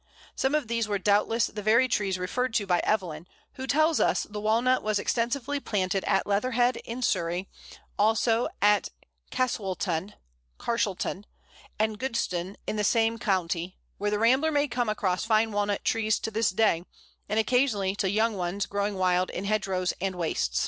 Some of these were doubtless the very trees referred to by Evelyn, who tells us the Walnut was extensively planted at Leatherhead in Surrey, also at Cassaulton (Carshalton) and Godstone in the same county, where the rambler may come across fine Walnut trees to this day, and occasionally to young ones growing wild in hedgerows and wastes.